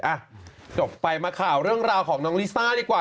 อ่ะจบไปมาข่าวเรื่องราวของน้องลิซ่าดีกว่า